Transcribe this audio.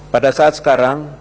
pada saat sekarang